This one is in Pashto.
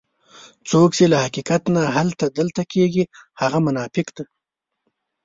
څوک چې له حقیقت نه هلته دلته کېږي هغه منافق دی.